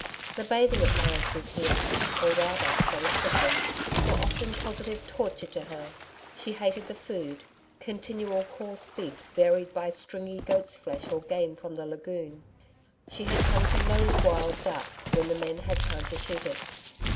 The bathing appliances here or rather, the lack of them were often positive torture to her. She hated the food continual coarse beef varied by stringy goats' flesh or game from the lagoon. She had come to loathe wild duck when the men had time to shoot it.